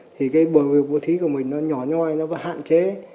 thì cái việc bố thí của mình nó nhỏ nhoi nó hạn chế